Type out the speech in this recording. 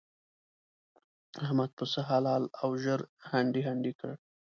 احمد پسه حلال او ژر هنډي هنډي کړ.